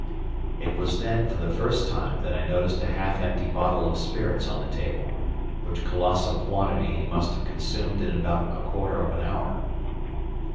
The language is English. It was then, for the first time, that I noticed a half empty bottle of spirits on the table, which colossal quantity he must have consumed in about a quarter of an hour.